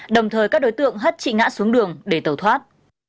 đồng thời các đối tượng hất trị ngã xuống đường để tẩu thoát